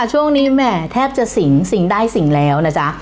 ช่วงนี้แหมแทบจะสิงสิงได้สิงแล้วนะจ๊ะ